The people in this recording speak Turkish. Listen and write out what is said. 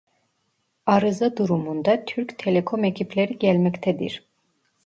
Arıza durumunda Türk Telekom ekipleri gelmektedir